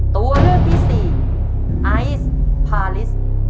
ตัวเลือกที่๔